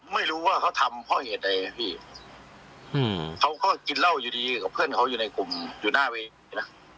ไม่รู้ว่าเขาทำเพราะเหตุใดพี่อืมเขาก็กินเหล้าอยู่ดีกับเพื่อนเขาอยู่ในกลุ่มอยู่หน้าเวทีนะ